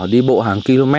đi bộ hàng km